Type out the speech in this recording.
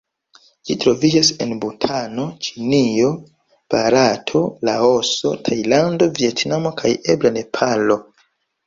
Ĝi troviĝas en Butano, Ĉinio, Barato, Laoso, Tajlando, Vjetnamo kaj eble Nepalo.